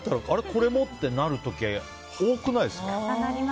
これも？ってなる時、多くないですか。